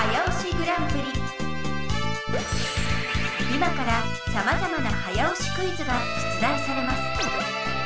今からさまざまな早押しクイズが出題されます。